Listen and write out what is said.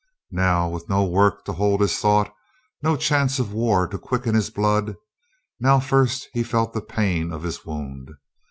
Now, with no work to hold his thought, no chance of war to quicken his blood, now first he felt the pain of his wound.